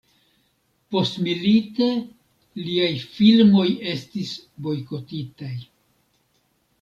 Postmilite liaj filmoj estis bojkotitaj.